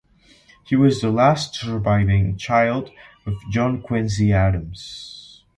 He was the last surviving child of John Quincy Adams.